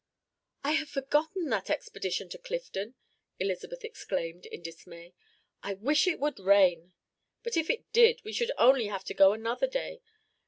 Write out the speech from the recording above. "I had forgotten that expedition to Clifton," Elizabeth exclaimed in dismay; "I wish it would rain! But if it did, we should only have to go another day.